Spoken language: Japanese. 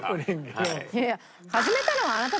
いやいや。